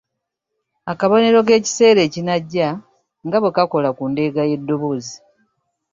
Akabonero k’ekiseera ekinajja nga bwe kakola ku ndeega y’eddoboozi.